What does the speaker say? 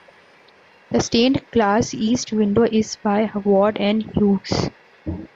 The stained glass east window is by Ward and Hughes.